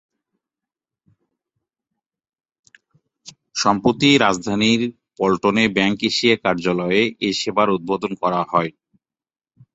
সম্প্রতি রাজধানীর পল্টনে bank Asia কার্যালয়ে এ সেবার উদ্বোধন করা হয়।